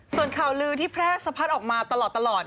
ส่วนข่าวลือที่แพร่สะพัดออกมาตลอด